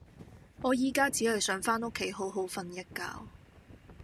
我依家只係想返屋企好好訓一覺